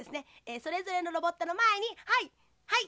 それぞれのロボットのまえにはいはい。